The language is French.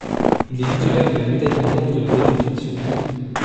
Il est titulaire de la médaille de bronze de la Défense nationale.